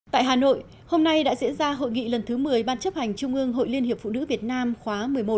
tại hà nội hôm nay đã diễn ra hội nghị lần thứ một mươi ban chấp hành trung ương hội liên hiệp phụ nữ việt nam khóa một mươi một